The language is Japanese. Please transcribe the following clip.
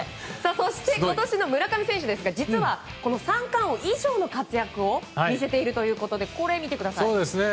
そして、今年の村上選手ですが実は、三冠王以上の活躍を見せているということで。